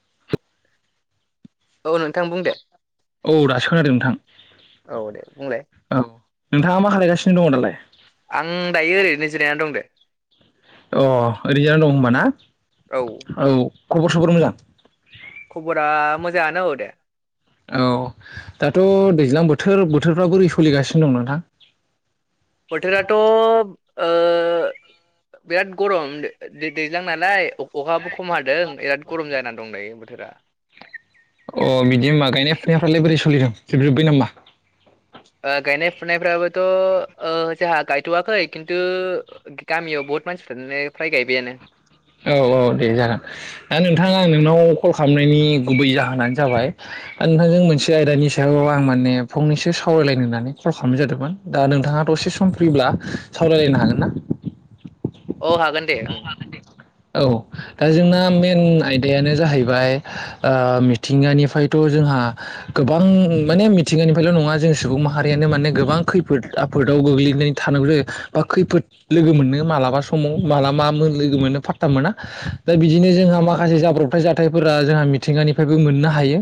[inaudible] औ नोंथां बुं दे। औ दासो खोनादों नोंथां। औ दे बुंलाय औ नोंथाङा मा खालायगासिनो दङ दालाय? आं दायो ओरैनो जिरायना दं दे। अ ओरै जिरायना दं होनबाना औ औ खबर सबर मोजां? खबरा मोजाङानो औ दे। औ दाथ' दैज्लां बोथोर बोथोरफ्रा बोरै सोलिगासिनो दं नोंथां? बोथोराथ' ओ बिराद गरम दैज्लां नालाय अखाबो खम हादों बिराद गरम जाना दायो बोथोरा। अ बिदि होनबा गायनाय फुनायफ्रालाय बोरै सोलिदों जोबजोब्बाय नामा? ओ गायनाय फुनायफ्रा बोथ' ओ जोंहा गायथवाखै। खिन्थु गामियाव बहुत मानसिफ्रानो फ्राय गायबायानो औ औ दे जागोन दा नोंथां आ नोंनाव कल खालामनायनि गुबै जाहोनानो जाबाय आरो नोंथांजों मोनसे आयदानि सायाव आं माने फंनैसो सों सावरायलायनो होननानै कल खालामनाय जादोंमोन दा नोंथांङा दसे सम फ्रिब्ला सावरायलायनो हागोन ना? [unintelligible] औ हागोन दे ओं औ दा जोंना मेन आयदायानो जाहैबाय ओ मिथिंगानिफ्रायथ' जों हा गोबां माने मिथिंगानिफ्रायल नङा जों सुबुं माहारियानो माने गोबां खैफोद आफोदाव गोग्लैनानै थानांगौ जायो बा खैफोद लोगो मोनो मालाबा समाव माला मा मोन लोगो मोनो फाद मोना दा बिदिनो जोंहा माखासे जाब्रबथाय जाथायफोरा जोंहा मिथिंगानिफ्रायबो मोननो हायो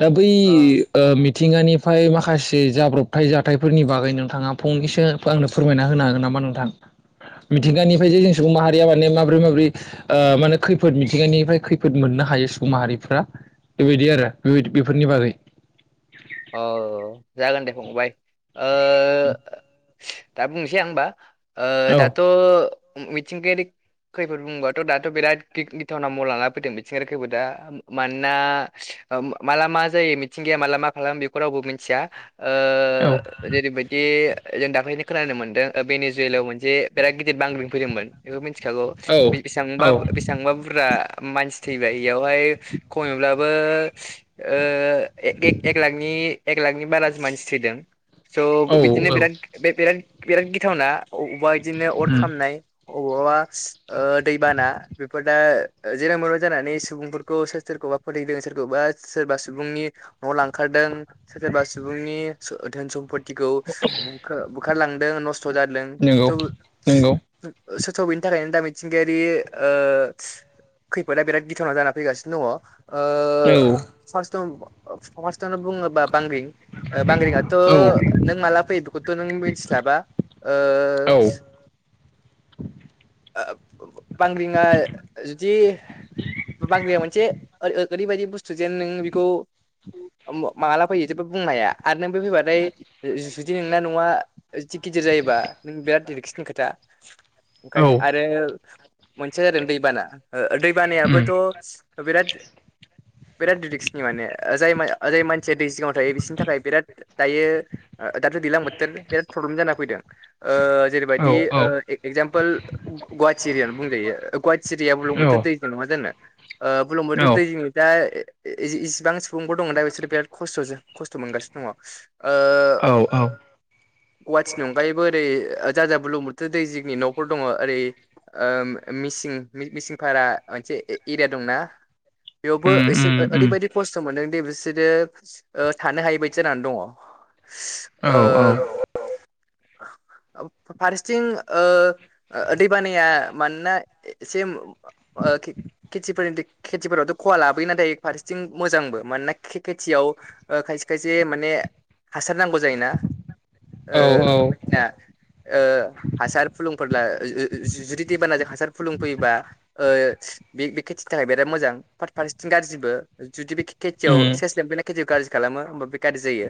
दा बै अ ओ मिद मिथिंगानिफ्राय माखासे जाब्रबथाय जाथायफोरनि बागै नोंथाङा फंनैसो आंनो फोरमायना होनो हागोन नामा नोंथां मिथिंगानिफ्राय जे जों सुबुं माहारिया माने माब्रै माब्रै ओ माने खैफोद मिथिंगानिफ्राय खैफोद मोननो हायो सुबुं माहारिफोरा बेबायदि आरो बेबायदि बेफोरनि बागै औ जागोन दे फंबाय ओ दा बुंनोसै आं होबा औ दाथ मिथिंगारि खैफोद बुङोबाथ दाथ बिराद गि गिथावना महर लाना फैदों मिथिंगायारि खैफोदा मानोना ओम माला मा जायो मिथिंगायाया माला मा खालामो बेखौ रावबो मिथिया ओ औ जेरैबायदि जों दाखैलिनो खोनानो मोनदों बेनि जोलाव मोनसे बेराद गिदिर बांग्रिं फैदोंमोन बेखौथि मिथिखागौ औ बेसां औ बेसेबां बुरजा मानसि थैबाय यावहाय खमब्लाबो ओ एक एक लाखनि एक लाखनि बाराजसो मानसि थैदों स बिदिनो औ औ बिराद बे बिराद बिराद गिथावना अबावबा बिदिनो अर उम खामनाय अबावबा ओ दैबाना बेफोर दा जेराव मेराव जानानै सुबुंफोरखौ सोर सोरखौबा फोथैयदों सोरखौबा सोरबा सुबुंनि न' लांखारदों सोरबा सुबुंनि धोन सम्पतिखौ बुखारलांदों नस्थ जादोंथ नंगौ नंगौ [unintelligible] स बेनि थाखायनो दा मिथिंगायारि ओ खैफोदा बिराद गिथावना जाना फैगासिनो दङ। ओ औ पारस्त आव बुङोबा बांग्रिं बांग्रिंआथ औ नों माला फैयो बेखौथ नों मिथिस्लाबा ओ ओ बांग्रिंङा जुदि बांग्रिया मोनसे ओरै ओरैबायदि बुस्थु जेन नों बेखौ माला फैयो जोबो बुंनो हाया आरो नों बे फैबाथाय जुदि नोंना नआ एसि गिदिर जायोबा नों बिराद रिक्सनि खोथा औ ओखायनो मोनसे जादों दैबाना दै ओ उम बानायाबोथ' बिराद बिराद रिक्सनि माने जाय जाय मानसिया दै जिङाव थायो बिसोरनि थाखाय बिराद दायो दाथ दैलां बोथोर बिराद प्रब्लेम जाना फैदों ओ औ जेरैबायदि ओ एगजामपोल गुवाहाटि एरिआयानो बुंजायो गुवाहाटि एरिआया औ बुरलुंबुथुर दैजों नङा जनो बुरलुंबुथुर दैजों दा इसिबां सुबुंफोर दङ दा बिसोरो बिराद खस्थजों खस्थ' मोनगासिनो दङ औ औ गुावाहाटिनि अनगायैबो ओरै जाय जाया बुरलुंबुथुर दै जिंनि नखर दङ ओरै ओ मिसिं मिसिंफोरा मोनसे एरिया दंना बेयालबो उम एसे उम उम ओरैबायाददि खस्थ मोनो बिसोरो ओ थानो हायि बादि जानानै दङ ओ औ औ फारसेथिं ओ ए-एसेम ओ खेथि-खेथिफोरनि खेथिफोरावथ' खहा लाबोयो नाथाय फारसेथिं मोजां मानोना खेथियाव ओ खायसे खायसे माने हासार नांगौ जायोना ओ औ बायदिसिना ओ हासार फुलुंफोरला जु-जुदि दैबानाजों हासार फुलुं फैयोबा बे खेथिनि थाखाय बिराद मोजां फार-फारसेथिं गाज्रिबो जुदि बे खेथियाव उम सेस फेमफोना खेथियाव गाज्रि खालामो होमबा बे गाज्रि जायो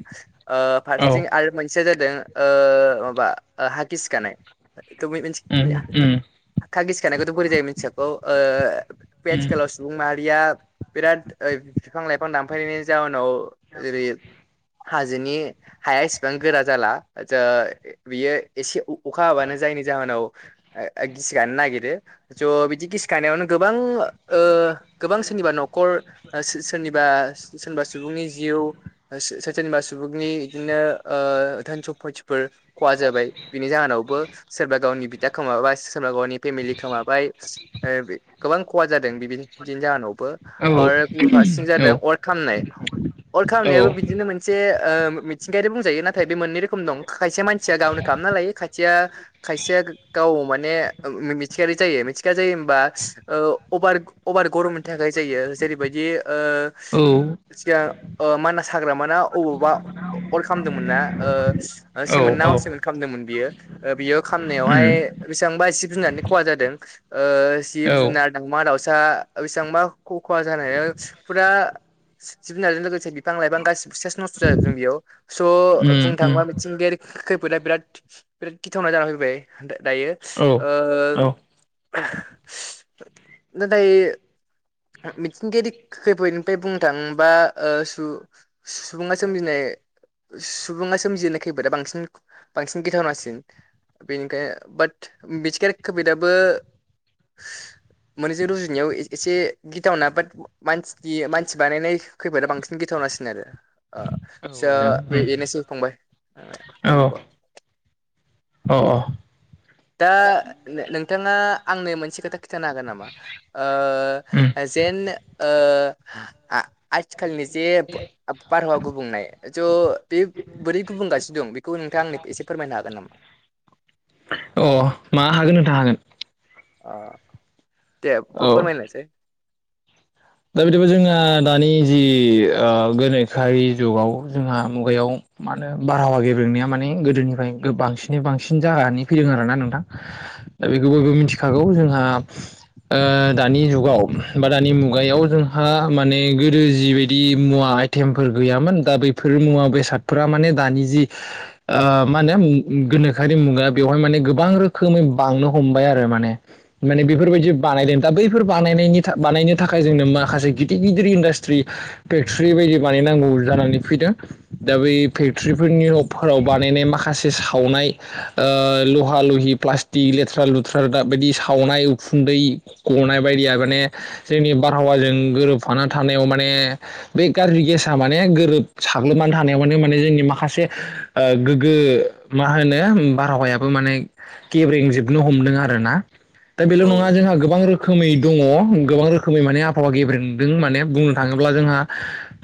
ओ औ फारसेथिं आरो मोनसे जा दों ओ माबा हा गिसिखानाय उम बिया उम हा गिसिखानायखौथ' बोरै जायो मिथियाखौओ बे उम आथिखालाव सुबुं माहा रिया बिराद बिफां लाइफां दानफायनायनि जाउनाव [inaudible] बिनि हाया इसिबां गोरा जाला जा बियो एसे उ अखा हाबानो जायनि जाहोनाव गिसि गानो नागिरो ज' बिदि गिसि गानायावनो गोबां ओ गोबां सोरनिबा न'खर सोरनिबा सोरनिबा सुबुंनि जिउ सोरनिबा सुबुंनि बिदिनो ओ धोन सम्फथिफोर खहा जाबाय बिनि जाहोनावबो सोरबा गावनि बि दा खोमाबाय सोरबा गावनि फेमिलि खोमाबाय गोबां खहा जादों बिनि जाहोनाव बो औ आरो गुबुन फारसें जादों अर खामनाय अर खामनायाबो बिदिनो मोनसे ओ मिथिंगायारि बुंजायो नाथाय बे मोननै रोखोम दं खायसे मानसिया गावनो खालामना लायो खायसेया खायसेया गाव माने मिथिंगायारि जायो मिथिंगा जायो होमबा ओ अभार अभार गरमनि थाखाय जायो जेरैबायदि ओ औ सिगां ओ मानास हाग्रामाना अबावबा अर खालामदोंमोन ना ओ सेमोन ना औ अ औ सेमोन खालामदोंमोन बियो ओ बियो खाममनायावहाय उम बेसेबांबा जिब जुनारनि खहा जादों ओ औ जिब जुनार, दावउमा दाउसा बेसेबांबा अ खहा जानाय फुरा जिब जुनारजों लोगोसे बिफां लाइफां गासिबो सेस नस्थ' जाजोबदों बेयाव स' बुंनो उम थाङोबा उम मिथिंगायारि खैफोदा बिराद बिराद गिथावना जानानै फैबाय आमफाय दायो औ ओ औ नाथाय मिथिंगायारि खैफोदनिफ्राय बुंनो थाङोबा ओ सु सुबुङा सोमजिनाय सुबुङा सोमजिहोनाय खैफोदा बांसिन बांसिन गिथावनासिन बेनिखायनो बाट मिथिंगायारि खौफोदाबो श मोनैजों रुजुनायाव एसे गिथावना बाट मानसिनि मानसि बानायनाय खैफोदा बांसिन गिथावनासिन आरो जागोन उम औ ओ [inaudible] औ औ दा नोंथाङा आंनो मोनसे खोथा खिन्थानो हागोन नामा? उम जेन ओ आ आथिखालनि जे बारहावा गुबुंनाय ज थ' बे बोरै गुबुंगासिनो दं बेखौ नोंथां आंनि एसे फोरमायनो हागोन नामा? [inaudible] मा हागोन नोंथां हागोन । ओ दे औ फोरमायलांसाय । दा बिदिबा जोंना दानि जि ओ गोनोखोआरि जुगाव जोंहा मुगायाव मा होनो बारहावा गेब्रेंनाया माने गोदोनिफ्राय बांसिनै बांसिन जानानै फैदों आरोना नोंथां । बेखौ बयबो मिथिखागौ जोंहा ओ दानि जुगाव बा दानि मु गायाव जोंहा माने गोदो जिबायदि मुवा आइटेमफोर गैयामोन दा बैफोर मुवा बेसाद फोरा माने दानि जि ओ मा होने गोनोखोआरि मुगा बेवहाय माने गोबां रोखोम बांनो हमबाय आरो माने माने बेफोरबायदि बानायदों दा बैफोर बानायनायनि था बानायनो थाखाय जोंनो माखासे गिदिर गिदिर इन्डास्ट्रि फेक्टरि बायदि बानायनांगौ जानानै फैदों। दा बै फेक्टर्रिफोरनिफोराव बानायनाय माखासे सावनाय ओ लहा लहि प्लास्टिक लेथ्रा-लुथ्रा दाब बायदि सावनाय उखुन्दै गनाय बायदिया माने जोंनि बारहावाजों गोरोबफाना थानायाव माने बे गाज्रि गेसा माने गोरोब साग्लोमा थानायाव माने माने जोंनि माखासे ओगोग्गो मा होनो बारहावायाबो माने गेब्रेंजोबनो हमदों आरो ना दा औ बेल' नङा जोंहा गोबां रोखोमै दङ गोबां रोखोम खोमै माने आबहावा गेब्रेंदों माने बुंनो थाङोब्ला जोंहा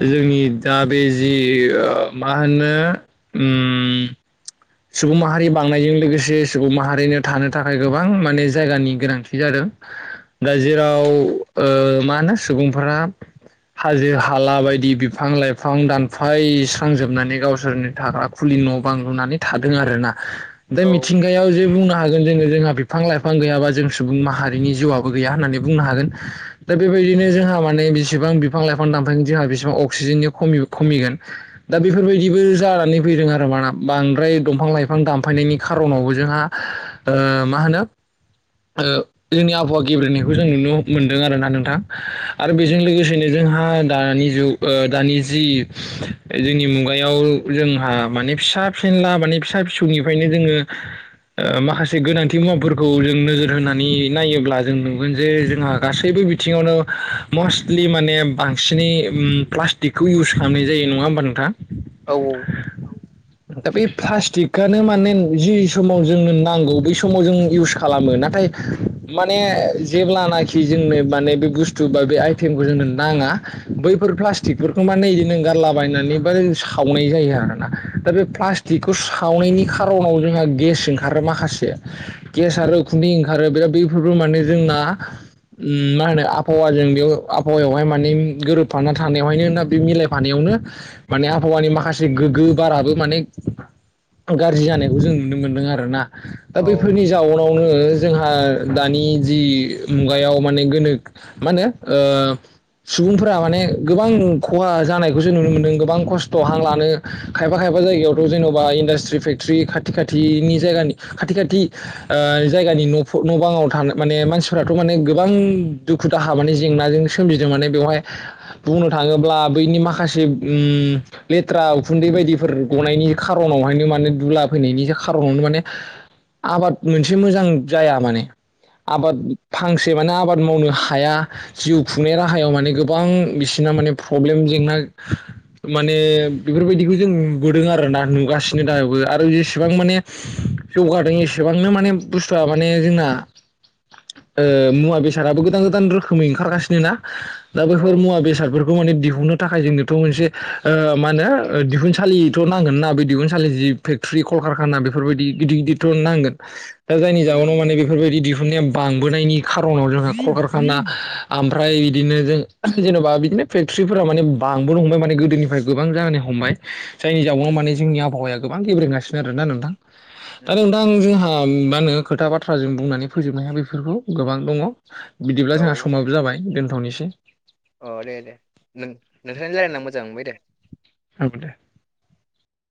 जोंनि दा बे जि ओ मा होनो उम सुबुं माहारि बांनायजों लोगोसे सुबुं माहारिनो थानो थाखाय गोबां माने जायगानि गोनांथि जादों दा जेराव ओ मा होनो सुबुंफोरा हाजो-हाला बायदि बिफां-लाइफां दानफाय स्रांजोबनानै गावसोरनि थाग्रा खुलि न' बां लुनानै थादों आरोना बे औ मिथिंगायाव जे बुंनो हा जों दिनै जोंहा बिफां लाइफां गैयाबा जों सुबुं माहारिनि जिउआ बो गैया होनना बुंनो हागोन दा बेबाय दिनो जोंहा माने बेसेबां बिफां लाइफां दानफायगोन जोंहा बिसिबां अक्सिजेन नि खमि खमिगोन दा बेफो बेफोरबायदिबो जानानै फैदों आरो माना बांद ओमफ्राय दंफां लाइफां दानफायनायनि खार'नावबो जोंहा ओ मा होनो ओ जोंनि आबहावा गेबब्रेंनायखौ जों नुनो मोनदों आरो ना नोंथां आरो बेजों लोगोसेनो जोंहा दानि दानि ओ जि जोंनि मुगायाव जोंहा माने फिसा फेनला माने फिसा फिसौनिफ्रायनो जोङो ओ माखासे गोनांथि मुवाफोरखौ जों नोजोर होनानै नायोब्ला जों नुगोन जे जोंहा गासैबो बिथिङावनो मस्टलि माने बांसिनै प्लास्टिकखौ इउस खालामनाय जायो नङा होमबा नोंथां। औ दा बे प्लास्टिकआनो माने जि समाव जोंनो नांगौ बै समाव जों इउस खालामो नाथाय माने जेब्लानाखि जोंनो माने बे बुस्थु बा बे आइटेमखौ जोंनो नाङा बैफोर प्लास्टिकफोरखौ माने बिदिनो गारलाबायनानै बा सावनाय जायो आरोना दा बे प्लास्टिकखौ सावनायनि खार'नाव जोंहा गेस ओंखारो माखासे गेस आरो उखु ओंखारो बिराद बेफोरबो माने जोंना मा होनो आबहावाजों बेयाव आबहावायावहाय माने गोरोबफाना थानायावहायनो बे मिलायफानायाव माने आबहावानि माखासे गोगगो बाराबो माने गाज्रि जानायखौ जों नुनो मोनदों आरो ना दा औ बैफोरनि जाउनावनो जोंहा दानि जि मुगायाव माने गोनोख मा होनो सुबुंफोरा माने गोबां खहा जानायखौ जों नुनो मोनदों गोबां खस्थ' हां लानो खाय खायफा-खायफा जायगायावथ' जेन'बा इन्डास्ट्रि फेक्टरि खाथि खाथिनि जायगानि खाथि-खाथि जायगानि न'फो न' बाङाव था माने मानसिफोराथ' माने गोबां दुखु दाहा माने जेंनाजों सोमजिदों माने बेवहाय बुंनो थाङोब्ला बैनि माखासे उम लेथ्रा उखुन्दै बायदि फोर गनायनि खारनावहायनो माने दुला फैनायनि खारनावनो माने आबाद मोनसे मोजां जाया माने आबाद फांसे माने आबाद मावनो हाया जिउ खुंनाय राहायाव माने गोबां बिसि ना माने फ्रब्लेम जेंना माने बेफोरबायदिखौ जों नुबोदों आरो ना नुगासिनो दा आरो जेसेबां माने जौगादों एसेबांनो माने बुस्थुआ माने जोंना ओ मुवा बेसादाबो गोदान-गोदान रोखोमै ओंखारगासिनो ना दा औ बेैफोर मुवा बेसादफोर खौ माने दिहुननो थाखाय जोंनोथ' मोनसे ओ मा होनो दिहुनसालि थ' नांगोन ना बे दिहुनसालि जि फेक्टरि कलकारखाना बेफोरबायदि गिदिर गिदिरथ' नांगोन दा जायनि जाउनाव उम माने बेफोरबायदि दिहुननाया बां बोनायनि खार'नाव जोंहा कलकारखाना ओमफ्राय बिदिनो जों जेन'बा बिदिनो फेक्टरि फोराव माने बांबोनो हमबाय माने गोदोनिफ्राय गोबां जानो हमबाय जायनि जाउनाव उम माने जोंनि आबहावाया गोबां गेब्रें गासिनो आरोना नोंथां दा उम नोंथां जोंहा आङो खोथा बाथ्राजों बुंनानै फोजोबनो हाया बेफोरखौ गोबां दङ बिदिब्ला औ जोंहा समाबो जाबाय दोनथ'निसै अ दे दे नों नोंथांजों रायलायना मोजां मोनबाय दे औ दे